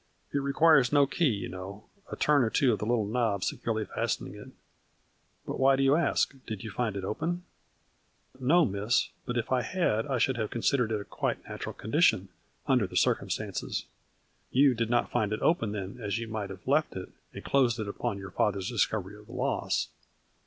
It requires no key, you know, a turn or two of the little knob securely fastening it. But why do you ask ? Did you find it open ?"" No, Miss, but if I had I should have con sidered it a quite natural condition, under the circumstances. You did not find it open then, as you might have left it, and closed it upon your fathers discovery of the loss